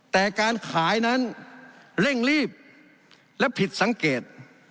แต่การขายนั้นเร่งรีบและผิดสังเกต